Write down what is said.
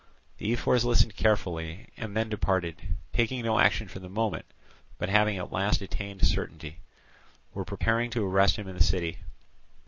The ephors listened carefully, and then departed, taking no action for the moment, but, having at last attained to certainty, were preparing to arrest him in the city.